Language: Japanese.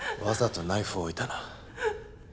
わざとナイフを置いたな。